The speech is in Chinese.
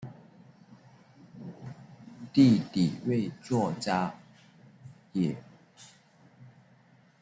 弟弟为作家武野光。